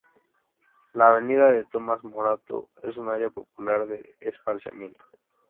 La avenida de Tomás Morato es un área popular de esparcimiento.